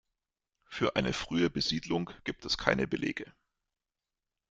Für eine frühe Besiedlung gibt es keine Belege.